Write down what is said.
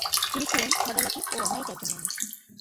তিনি ছিলেন সদালাপী ও অমায়িক একজন মানুষ।